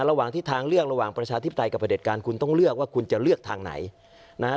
ระหว่างที่ทางเลือกระหว่างประชาธิปไตยกับประเด็จการคุณต้องเลือกว่าคุณจะเลือกทางไหนนะฮะ